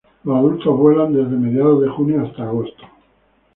Los adultos vuelan desde mediados de junio hasta agosto.